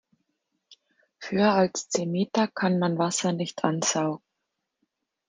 Höher als zehn Meter kann man Wasser nicht ansaugen.